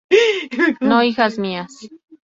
No, hijas mías;